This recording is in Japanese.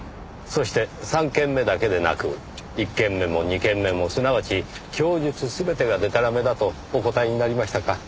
そして３件目だけでなく１件目も２件目もすなわち供述全てがでたらめだとお答えになりましたか。